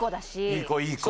いい子いい子。